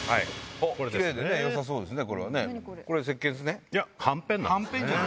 キレイでよさそうですね。